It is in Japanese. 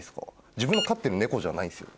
自分の飼ってる猫じゃないんですよ。